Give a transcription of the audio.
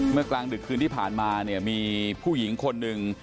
กลางดึกคืนที่ผ่านมาเนี่ยมีผู้หญิงคนหนึ่ง